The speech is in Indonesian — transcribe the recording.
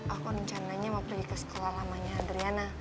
aku rencananya mau pergi ke sekolah lamanya adriana